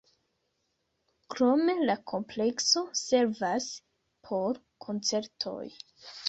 Krome la komplekso servas por koncertoj.